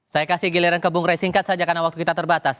saya kasih giliran ke bung rey singkat saja karena waktu kita terbatas